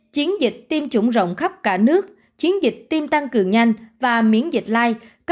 chiến dịch tiêm chủng rộng khắp cả nước chiến dịch tiêm tăng cường nhanh và miễn dịch lai